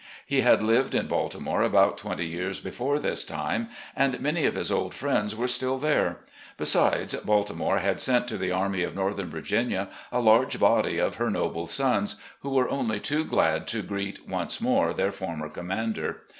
He had lived in Baltimore about twenty years before this time, and many of his old friends were still there ; besides, Baltimore had sent to the Army of Northern Virginia a large body of her noble sons, who were only too glad to greet once more their former commander.